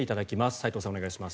斎藤さん、お願いします。